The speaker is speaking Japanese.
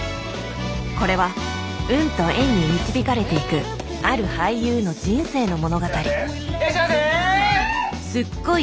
これは運と縁に導かれていくある俳優の人生の物語いらっしゃいませ！